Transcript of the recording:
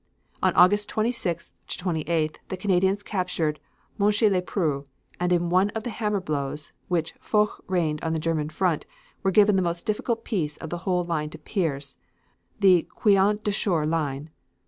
On August 26th to 28th the Canadians captured Monchy le Preux, and, in one of the hammer blows which Foch rained on the German front, were given the most difficult piece of the whole line to pierce the Queant Drocourt line.